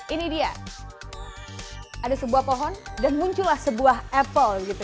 ini dia ada sebuah pohon dan muncullah sebuah apple gitu